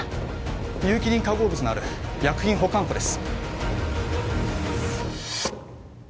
有機リン化合物のある薬品保管庫です